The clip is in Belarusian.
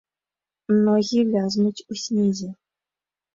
Ногі вязнуць у снезе.